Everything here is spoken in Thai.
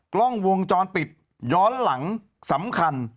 กล้องวงจรปิดย้อนหลังสำคัญ